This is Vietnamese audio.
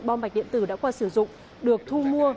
bom mạch điện tử đã qua sử dụng được thu mua